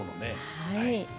はい。